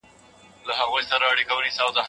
سوفسطایانو علمي نهضت پیل کړ.